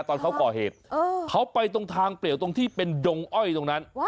ตอนเขาก่อเหตุเขาไปตรงทางเปลี่ยวตรงที่เป็นดงอ้อยตรงนั้น